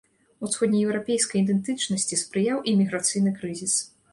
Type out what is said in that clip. Усходнееўрапейскай ідэнтычнасці спрыяў і міграцыйны крызіс.